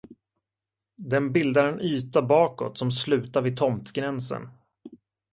Den bildar en yta bakåt som slutar vid tomtgränsen.